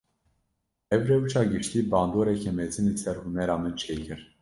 Ev rewşa giştî, bandoreke mezin li ser hunera min çêkir